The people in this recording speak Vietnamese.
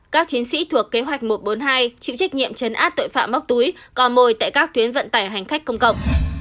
các chiến sĩ thuộc kế hoạch một trăm bốn mươi hai chịu trách nhiệm chấn áp tội phạm móc túi co mồi tại các tuyến vận tải hành khách công cộng